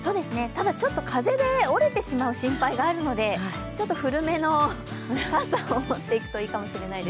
ただ、風で折れてしまう心配があるので、ちょっと古めの傘を持っておくといいと思います。